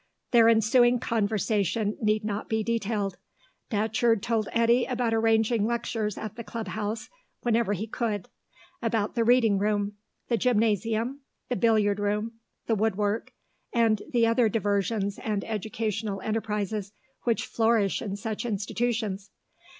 Their ensuing conversation need not be detailed. Datcherd told Eddy about arranging lectures at the Club House whenever he could, about the reading room, the gymnasium, the billiard room, the woodwork, and the other diversions and educational enterprises which flourish in such institutions.